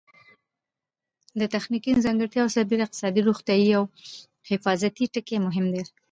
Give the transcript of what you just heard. د تخنیکي ځانګړتیاوو سربېره اقتصادي، روغتیایي او حفاظتي ټکي مهم دي.